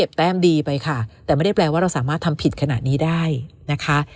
แต้มดีไปค่ะแต่ไม่ได้แปลว่าเราสามารถทำผิดขนาดนี้ได้นะคะ